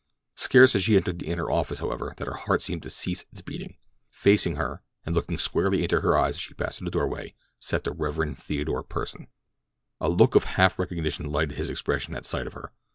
Scarce had she entered the inner office, however, than her heart seemed to cease its beating. Facing her, and looking squarely into her eyes as she passed through the doorway, sat the Rev. Theodore Pursen. A look of half recognition lighted his expression at sight of her.